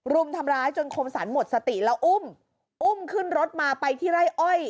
รุมทำร้ายจนคมสรรหมดสติแล้วอุ้มอุ้มขึ้นรถมาไปที่ไร่อ้อย